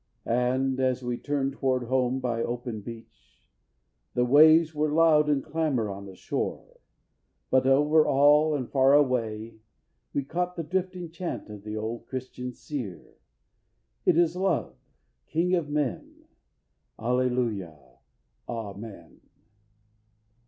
_ And as we turned toward home by open beach, The waves were loud in clamor on the shore; But over all, and far away, we caught The drifting chant of the old Christian seer: _It is Love, King of men, Alleluia, Amen!